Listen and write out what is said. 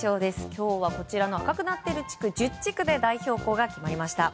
今日はこちらの赤くなっている１０地区で代表校が決まりました。